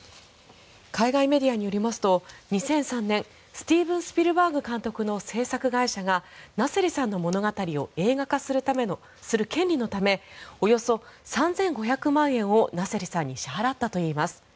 海外メディアによりますと２００３年、スティーブン・スピルバーグ監督の制作会社がナセリさんの物語を映画化する権利のためおよそ３５００万円をナセリさんに支払ったといいます。